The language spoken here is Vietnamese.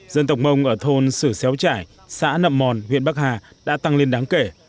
dân tộc mông ở thôn sử xéo trải xã nậm mòn huyện bắc hà đã tăng lên đáng kể